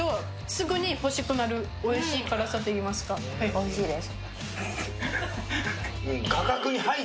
おいしいです。